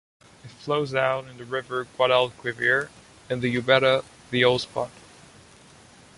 It flows out in the river Guadalquivir, in the Úbeda the Old spot.